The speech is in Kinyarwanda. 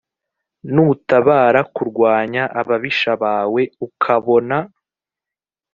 nutabara kurwanya ababisha bawe ukabona